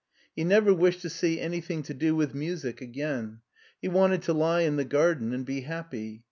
He never wished to see anything to do with music again; he wanted to lie in the garden and be happy.